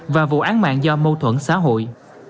và vụ án mạng do mâu thuẫn xã hội